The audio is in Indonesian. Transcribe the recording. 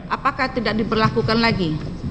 apakah tidak diberlakukan lagi